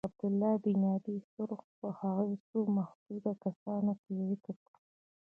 عبدالله بن ابی سرح په هغو څو محدودو کسانو کي ذکر کړ.